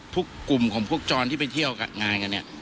พวกกลุ่มที่ไปเที่ยวงานกันเนี่ย